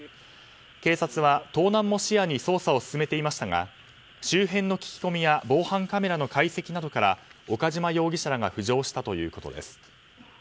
警察は盗難も視野に捜査を進めていましたが周辺の聞き込みや防犯カメラの解析などから岡島容疑者らが浮上したということです。